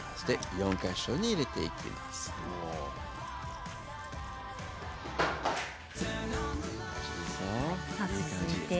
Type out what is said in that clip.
４か所に入れていきます。